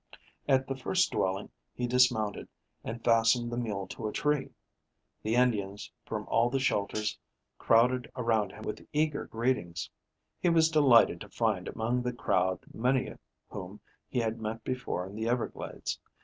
At the first dwelling he dismounted and fastened the mule to a tree. The Indians from all the shelters crowded around him with eager greetings. He was delighted to find among the crowd many whom he had met before in the Everglades.